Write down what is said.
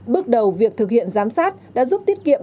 bước đầu việc thực hiện giám sát đã giúp tiết kiệm